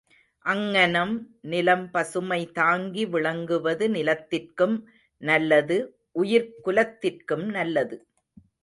அங்ஙணம் நிலம் பசுமை தாங்கி விளங்குவது நிலத்திற்கும் நல்லது உயிர்க் குலத்திற்கும் நல்லது.